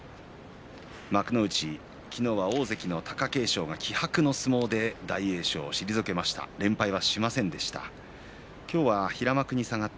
幕内、昨日は大関の貴景勝気迫の相撲で大栄翔を退けました。